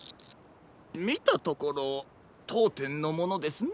みたところとうてんのものですな。